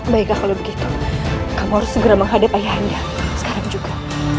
baiklah kalau begitu kamu harus segera menghadapi ayah anda sekarang juga